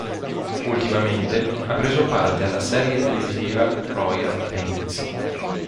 Ultimamente ha preso parte alla serie televisiva "Royal Pains".